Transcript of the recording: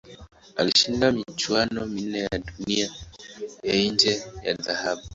Alishinda michuano minne ya Dunia ya nje ya dhahabu.